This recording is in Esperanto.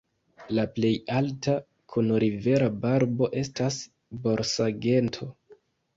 La plej alta, kun rivera barbo, estas borsagento.